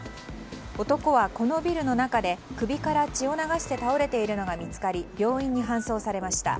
男は、このビルの中で首から血を流して倒れているのが見つかり病院に搬送されました。